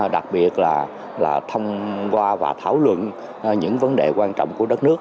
đặc biệt là thông qua và thảo luận những vấn đề quan trọng của đất nước